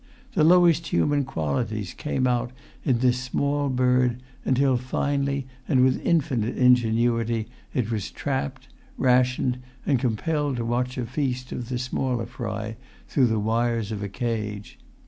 The lowest human qualities came out in this small bird until finally, and with infinite ingenuity, it was trapped, rationed, and compelled to watch a feast of the smaller fry through the wires of a cage.